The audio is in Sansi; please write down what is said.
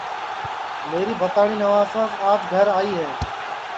میری بھتاٹؔی نواساس آج گھر آئی ہے